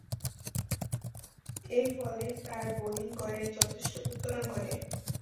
এরফলে তার বোলিং গড়ের যথেষ্ট উত্তরণ ঘটে।